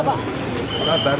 tak ada tak ada